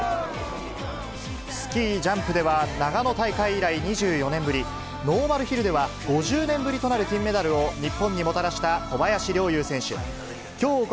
スキージャンプでは、長野大会以来２４年ぶり、ノーマルヒルでは５０年ぶりとなる金メダルを日本にもたらした小林陵侑選手。